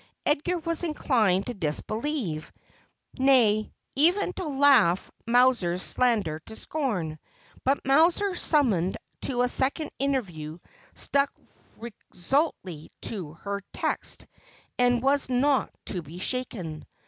Edgar was inclined to disbelieve, nay, even to laugh Mowser's slander to scorn ; but Mowser, sum moned to a second interview, stuck resolutely to her text, and was not to be shaken.